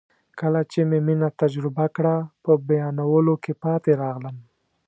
کله مې چې مینه تجربه کړه په بیانولو کې پاتې راغلم.